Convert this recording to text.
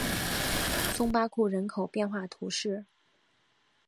松巴库人口变化图示